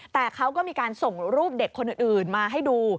แต่เขาก็มีการส่งรูปเด็กคนอื่นมาให้ดู